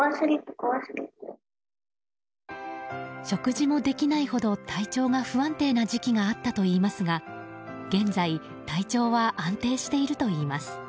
食事もできないほど体調が不安定な時期があったといいますが現在、体調は安定しているといいます。